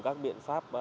các biện pháp